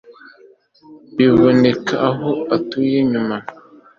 biboneka aho atuye inyama